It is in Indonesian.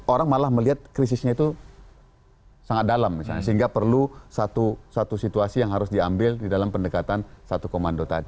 orang malah melihat krisisnya itu sangat dalam misalnya sehingga perlu satu situasi yang harus diambil di dalam pendekatan satu komando tadi